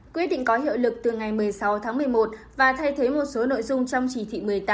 quyết định có hiệu lực từ ngày một mươi sáu tháng một mươi một và thay thế một số nội dung trong chỉ thị một mươi tám